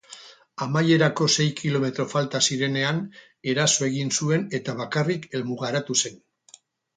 Amaierarako sei kilometro falta zirenean, eraso egin zuen eta bakarrik helmugaratu zen.